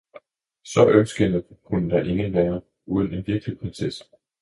Så ømskindet kunne der ingen være, uden en virkelig prinsesse.